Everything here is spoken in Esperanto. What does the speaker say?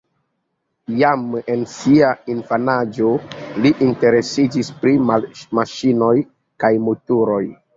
Jam en sia infanaĝo li interesiĝis pri maŝinoj kaj motoroj.